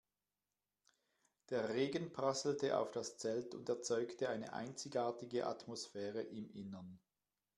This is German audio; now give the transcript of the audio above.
Der Regen prasselte auf das Zelt und erzeugte eine einzigartige Atmosphäre im Innern.